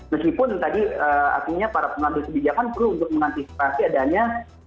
meskipun tadi artinya para pengantin kebijakan perlu mengantisipasi adanya